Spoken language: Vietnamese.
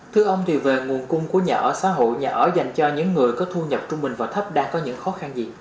thưa ông về nguồn cung của nhà ở xã hội nhà ở dành cho những người có thu nhập trung bình và thấp đang có những khó khăn gì